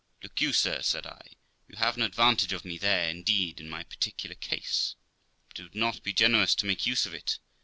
'Look you, sir', said I; you have an advantage of me there, indeed, in my particular case, but it would not be generous to make use of it.